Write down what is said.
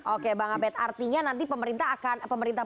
oke bang abed artinya nanti pemerintah